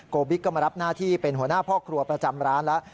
บิ๊กก็มารับหน้าที่เป็นหัวหน้าพ่อครัวประจำร้านแล้ว